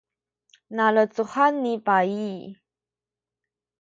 nalecuhan ni bayi